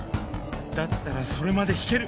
だったらそれまで引ける